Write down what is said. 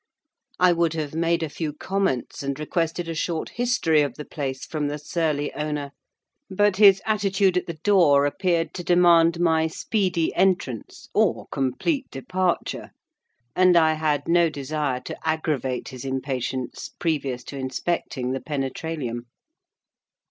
I would have made a few comments, and requested a short history of the place from the surly owner; but his attitude at the door appeared to demand my speedy entrance, or complete departure, and I had no desire to aggravate his impatience previous to inspecting the penetralium.